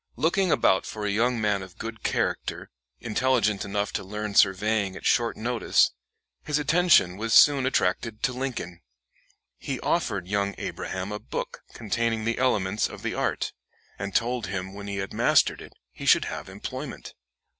Looking about for a young man of good character, intelligent enough to learn surveying at short notice, his attention was soon attracted to Lincoln. He offered young Abraham a book containing the elements of the art, and told him when he had mastered it he should have employment.